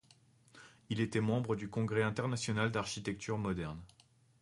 Il était membre du Congrès international d'architecture moderne.